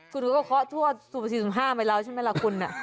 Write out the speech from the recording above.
คุณก็เคาะทั่ว๔๕ไปแล้วใช่ไหมล่ะคุณ